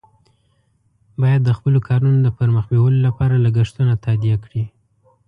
باید د خپلو کارونو د پر مخ بیولو لپاره لګښتونه تادیه کړي.